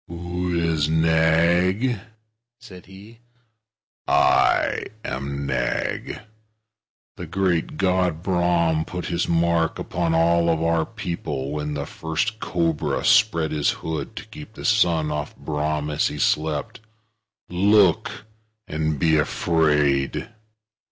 "Who is Nag?" said he. "I am Nag. The great God Brahm put his mark upon all our people, when the first cobra spread his hood to keep the sun off Brahm as he slept. Look, and be afraid!"